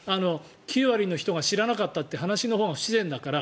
９割の人が知らなかったという話のほうが不自然だから。